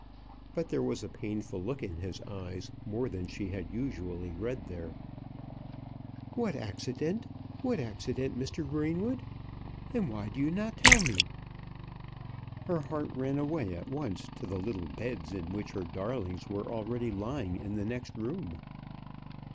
But there was a painful look in his eyes more than she had usually read there. "What accident what accident, Mr. Greenwood? Why do you not tell me?" Her heart ran away at once to the little beds in which her darlings were already lying in the next room.